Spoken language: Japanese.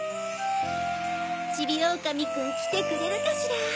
ちびおおかみくんきてくれるかしら？